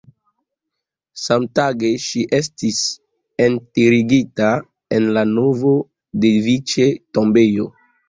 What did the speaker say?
Samtage ŝi estis enterigita en la Novodeviĉe-tombejo.